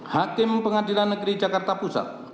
hakim pengadilan negeri jakarta pusat